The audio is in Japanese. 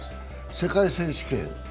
世界選手権。